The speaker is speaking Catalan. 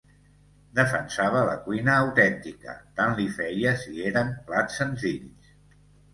Defensava la cuina autèntica, tant li feia si eren plats senzills.